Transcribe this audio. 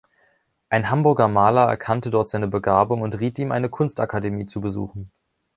Ein Hamburger Maler erkannte dort seine Begabung und riet ihm, eine Kunstakademie zu besuchen.